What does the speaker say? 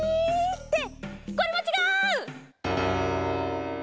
ってこれもちがう！